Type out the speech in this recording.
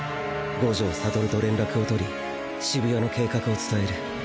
五条悟と連絡を取り渋谷の計画を伝える。